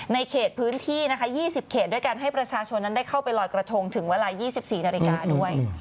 ในเขตพื้นที่นะคะ๒๐เขตด้วยการให้ประชาชนนั้นได้เข้าไปลอยกระทงถึงเวลา๒๔นาฬิกาด้วย